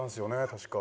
確か。